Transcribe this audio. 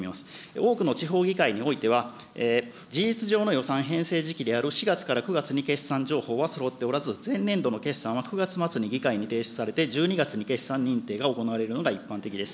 多くの地方議会においては、事実上の予算編成時期である４月から９月に決算情報はそろっておらず、前年度の決算は９月末に議会に提出されて、１２月に決算認定が行われるのが一般的です。